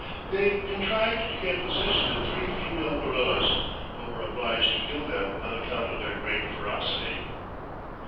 They contrived to get possession of three female gorillas, but were obliged to kill them on account of their great ferocity.